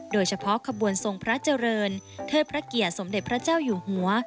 โดยเฉพาะขบวนทรงพระเจริญเทิดพระเกียรติสมเด็จพระเจ้าอยู่หัว